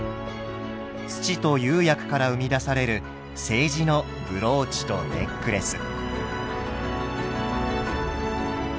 土と釉薬から生み出される青磁のブローチとネックレス。